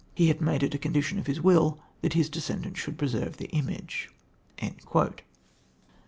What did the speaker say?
he had made it a condition in his will that his descendants should preserve the image."